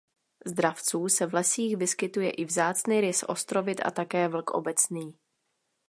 Z dravců se v lesích vyskytuje i vzácný rys ostrovid a také vlk obecný.